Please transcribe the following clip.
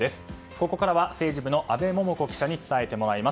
ここからは政治部の阿部桃子記者に伝えてもらいます。